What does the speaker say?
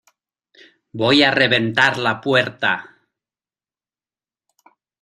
voy a reventar la puerta.